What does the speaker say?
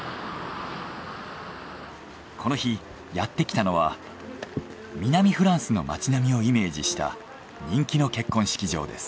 この日やってきたのは南フランスの街並みをイメージした人気の結婚式場です。